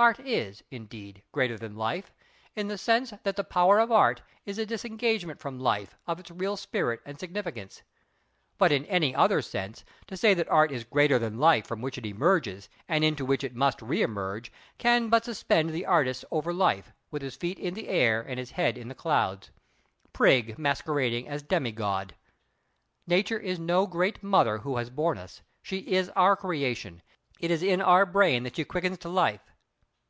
Art is, indeed, greater than Life in the sense that the power of Art is the disengagement from Life of its real spirit and significance. But in any other sense, to say that Art is greater than Life from which it emerges, and into which it must remerge, can but suspend the artist over Life, with his feet in the air and his head in the clouds—Prig masquerading as Demi god. "Nature is no great Mother who has borne us. She is our creation. It is in our brain that she quickens to life."